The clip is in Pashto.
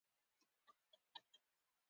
ولي، د ویالې د غاړې ونې ولې ولي؟